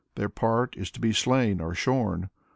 Their part is to be slain or shorn.